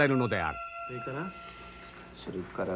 それから？